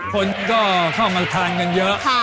คนก็เข้ามาทานกันเยอะ